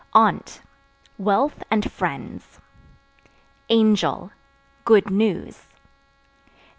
Aunt Wealth and friends. Angel Good news.